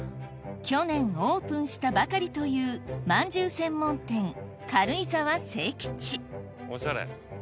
去年オープンしたばかりというまんじゅう専門店おしゃれ。